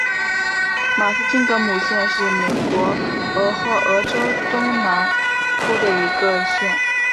马斯金格姆县是美国俄亥俄州东南部的一个县。